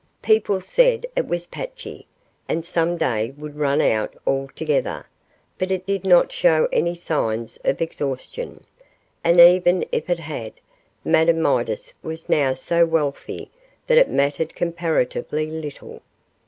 People said it was patchy, and some day would run out altogether, but it did not show any signs of exhaustion, and even if it had, Madame Midas was now so wealthy that it mattered comparatively little.